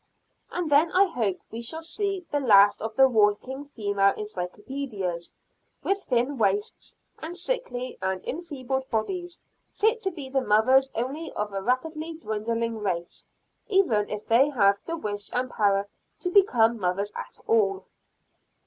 And then I hope we shall see the last of walking female encyclopedias, with thin waists, and sickly and enfeebled bodies; fit to be the mothers only of a rapidly dwindling race, even if they have the wish and power to become mothers at all.